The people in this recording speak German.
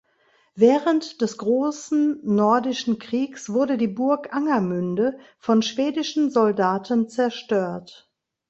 Während des Großen Nordischen Kriegs wurde die Burg Angermünde von schwedischen Soldaten zerstört.